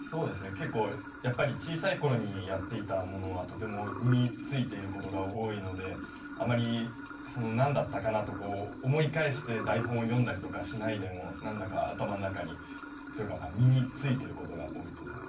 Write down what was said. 結構やっぱり小さい頃にやっていたものはとても身についている事が多いのであまりなんだったかな？と思い返して台本を読んだりとかしないでもなんだか頭の中にというか身についている事が多いと思います。